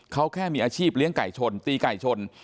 เขาแค่มีอาชีพเลี้ยงไก่ชนตีไก่ชน